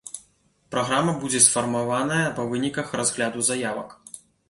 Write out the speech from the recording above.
Праграма будзе сфармаваная па выніках разгляду заявак.